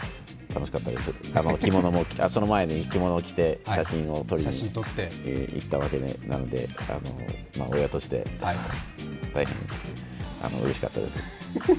その前に着物着て写真を撮りにいったわけなので親として大変うれしかったです。